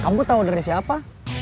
kamu tau dari siapa